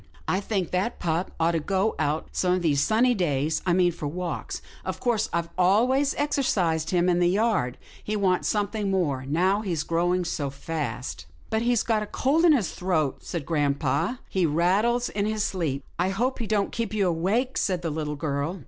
I think that pup ought to go out some of these sunny days — I mean for walks. Of course, I've always exercised him in the yard, but he wants something more, now he's growing so fast." " But he's got a cold in his throat," said grampa, " he rattles in his sleep." I hope he don't keep you awake," said the little girl.